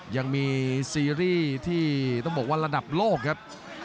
ยังมีซีรีส์ที่ต้องบอกว่าระดับโลกครับ